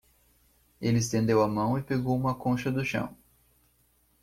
Ele estendeu a mão e pegou uma concha do chão.